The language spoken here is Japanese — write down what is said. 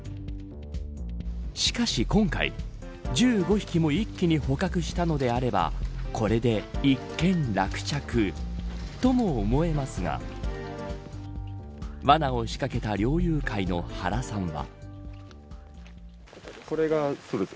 しかし今回１５匹も一気に捕獲したのであればこれで一件落着とも思えますがわなを仕掛けた猟友会の原さんは。